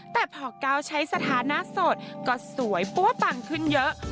แต่พอก้าวใช้สถานะโสดก็สวยปั้วปังขึ้นเยอะ